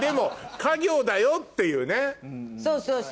だよっていうね。